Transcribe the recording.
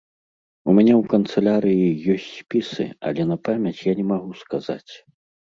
У мяне ў канцылярыі ёсць спісы, але на памяць я не магу сказаць.